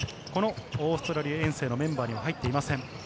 オーストラリア遠征のメンバーには入っていません。